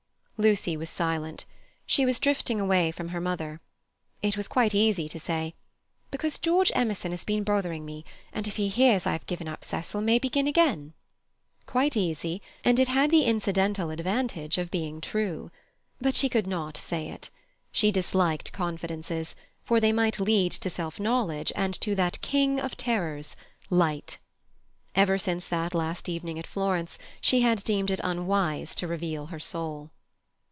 Lucy was silent. She was drifting away from her mother. It was quite easy to say, "Because George Emerson has been bothering me, and if he hears I've given up Cecil may begin again"—quite easy, and it had the incidental advantage of being true. But she could not say it. She disliked confidences, for they might lead to self knowledge and to that king of terrors—Light. Ever since that last evening at Florence she had deemed it unwise to reveal her soul.